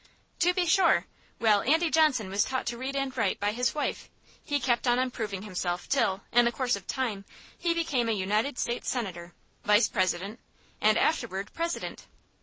"To be sure! Well, Andy Johnson was taught to read and write by his wife. He kept on improving himself till, in course of time, he became a United States Senator, Vice President, and afterward, President.